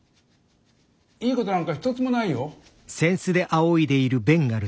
いいことなんか一つもないよ。